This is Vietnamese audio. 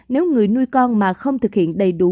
nếu người nuôi con mà không thực hiện đầy đủ